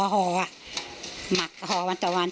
ห่อหมักห่อวันต่อวัน